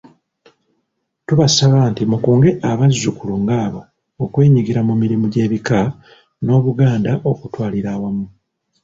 Tubasaba nti mukunge abazzukulu ng'abo okwenyigira mu mirimu gy'ebika n'Obuganda okutwalira awamu.